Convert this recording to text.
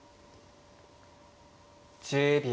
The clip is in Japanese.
１０秒。